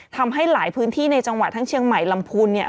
ทำให้หลายพื้นที่ในจังหวัดทั้งเชียงใหม่ลำพูนเนี่ย